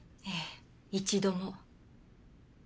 ええ一度も。